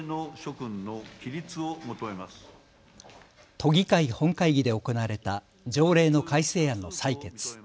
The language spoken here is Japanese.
都議会本会議で行われた条例の改正案の採決。